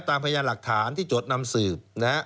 ตามพยายามหลักฐานที่จดนำสืบ